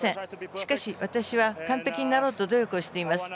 しかし完璧になろうと努力しています。